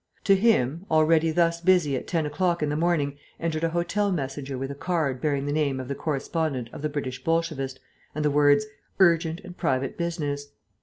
To him, already thus busy at ten o'clock in the morning, entered a hotel messenger with a card bearing the name of the correspondent of the British Bolshevist, and the words "Urgent and private business."